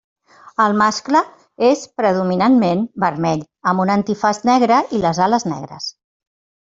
El mascle és predominantment vermell, amb un antifaç negre i les ales negres.